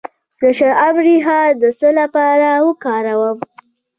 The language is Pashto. د شلغم ریښه د څه لپاره وکاروم؟